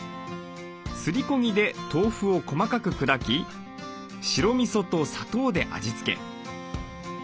すりこぎで豆腐を細かく砕き白みそと砂糖で味付け。